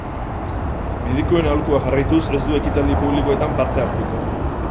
Medikuen aholkua jarraituz, ez du ekitaldi publikoetan parte hartuko.